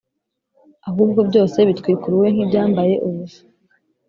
ahubwo byose bitwikuruwe nk ibyambaye ubusa